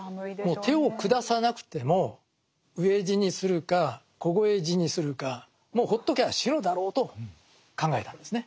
もう手を下さなくても飢え死にするか凍え死にするかもうほっときゃ死ぬだろうと考えたんですね。